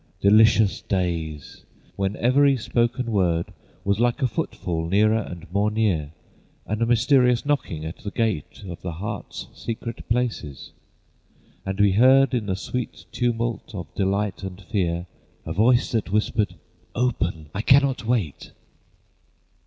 Delicious days! when every spoken word Was like a foot fall nearer and more near, And a mysterious knocking at the gate Of the heart's secret places, and we heard In the sweet tumult of delight and fear A voice that whispered, "Open, I cannot wait!"